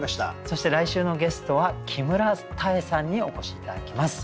そして来週のゲストは木村多江さんにお越し頂きます